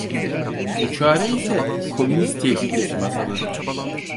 Bu çare ise, komünist tehlikesi masalıdır.